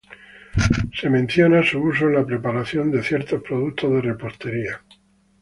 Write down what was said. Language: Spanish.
Se menciona su uso en la preparación de ciertos productos de repostería.